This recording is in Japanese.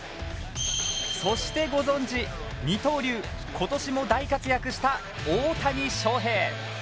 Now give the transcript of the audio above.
そして、ご存じ、二刀流今年も大活躍した大谷翔平。